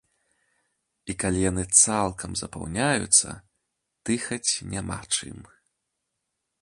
І калі яны цалкам запаўняюцца, дыхаць няма чым.